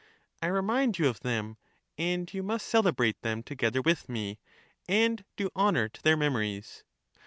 I remind you of them, and you must Socrates. celebrate them together with me, and do honour to their memories.